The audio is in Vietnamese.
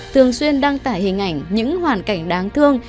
thường xuyên đăng tải hình ảnh những hoàn cảnh đáng thương